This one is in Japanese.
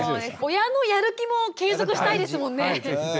親のやる気も継続したいですもんね。